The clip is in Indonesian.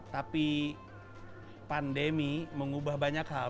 tapi pandemi mengubah banyak hal